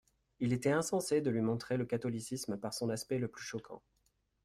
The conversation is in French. Il était insensé de lui montrer le catholicisme par son aspect le plus choquant.